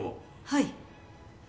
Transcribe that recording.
はい。